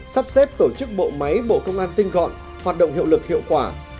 sắp xếp tổ chức bộ máy bộ công an tinh gọn hoạt động hiệu lực hiệu quả